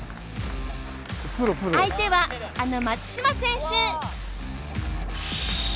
相手はあの松島選手。